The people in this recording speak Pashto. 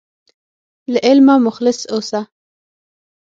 له علمه مخلص اوسه.